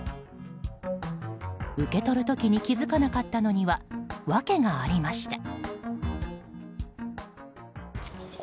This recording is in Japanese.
受け取る時に気付かなかったのには訳がありました。